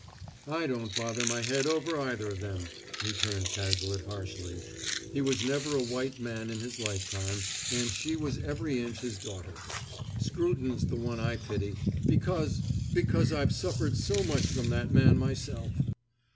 "I don't bother my head over either of them," returned Cazalet harshly. "He was never a white man in his lifetime, and she was every inch his daughter. Scruton's the one I pity because because I've suffered so much from that man myself."